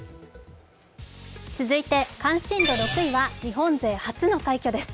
続いて関心度６位は、日本勢初の快挙です。